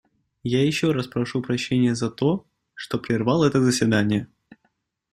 Я еще раз прошу прощения за то, что прервал это заседание.